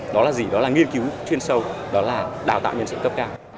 đó là gì đó là nghiên cứu chuyên sâu đó là đào tạo nhân sự cấp cao